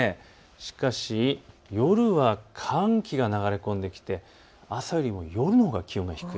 しかし夜は寒気が流れ込んできて朝より夜のほうが気温が低い。